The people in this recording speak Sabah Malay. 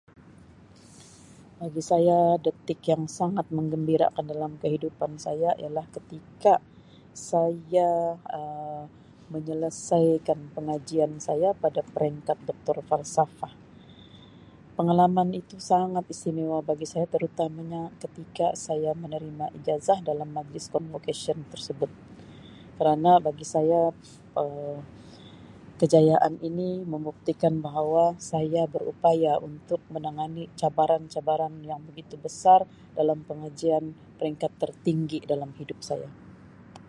Bagi saya detik yang sangat menggembirakan dalam kehidupan saya ialah ketika saya Um menyelesaikan pengajian saya pada peringkat doktor falsafah. Pengalaman itu sangat istimewa bagi saya terutamanya ketika saya menerima ijazah dalam majlis konvokesyen tersebut kerana bagi saya Um kejayaan ini membuktikan bahawa saya berupaya untuk menangani cabaran-cabaran yang begitu besar dalam pengajian peringkat tertinggi dalam hidup saya.